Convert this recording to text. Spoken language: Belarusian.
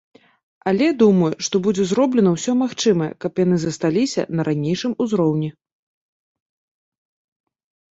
Але, думаю, што будзе зроблена ўсё магчымае, каб яны засталіся на ранейшым узроўні.